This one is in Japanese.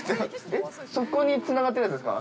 そこにつながってるんですか。